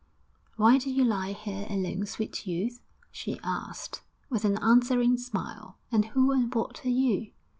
'Why do you lie here alone, sweet youth?' she asked, with an answering smile. 'And who and what are you?'